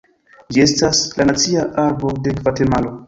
Ĝi estas la nacia arbo de Gvatemalo.